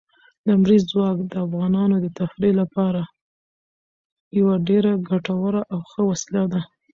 لمریز ځواک د افغانانو د تفریح لپاره یوه ډېره ګټوره او ښه وسیله ده.